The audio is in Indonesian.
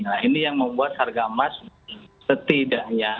nah ini yang membuat harga emas setidaknya